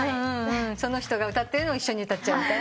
その人が歌ってるのを一緒に歌っちゃう。